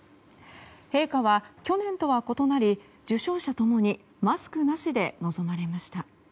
陛下は去年とは異なり受章者共にマスクなしで臨まれました。